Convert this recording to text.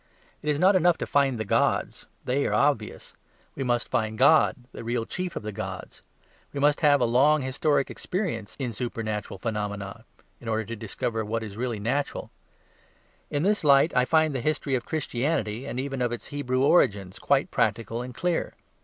It is not enough to find the gods; they are obvious; we must find God, the real chief of the gods. We must have a long historic experience in supernatural phenomena in order to discover which are really natural. In this light I find the history of Christianity, and even of its Hebrew origins, quite practical and clear.